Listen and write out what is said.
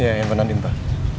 ya handphone nandim pak